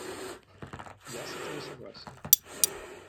Я с этим не согласен.